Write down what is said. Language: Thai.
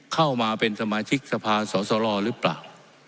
เข้ามาเป็นสมาชิกสภาสอสรหรือเปล่า